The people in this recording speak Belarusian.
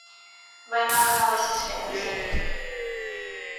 Вайна гналася следам за ім.